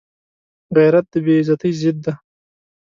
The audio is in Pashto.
غیرت د بې عزتۍ ضد دی